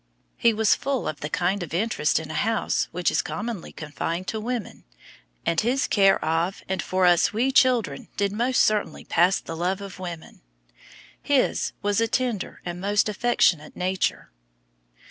He was full of the kind of interest in a house which is commonly confined to women, and his care of and for us as wee children did most certainly "pass the love of women!" His was a tender and most affectionate nature.